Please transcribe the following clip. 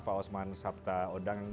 pak osman sabta odang